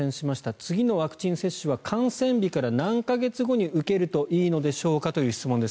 次のワクチン接種は感染日から何か月後に受けるといいのでしょうかという質問です。